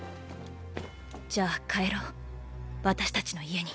じゃあ帰ろう私たちの家に。